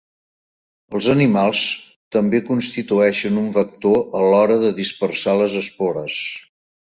Els animals també constitueixen un vector a l'hora de dispersar les espores.